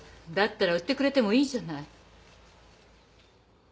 だったら売ってくれてもいいじゃない。